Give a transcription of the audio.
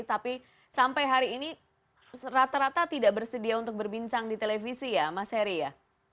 tapi sampai hari ini rata rata tidak bersedia untuk berbincang di televisi ya mas heri ya